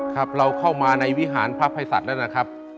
ครับเราเข้ามาในวิหารพระภัยศักดิ์แล้วนะครับ